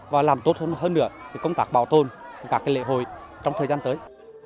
và làm tốt hơn nữa công tác bảo tồn các lễ hội trong thời gian tới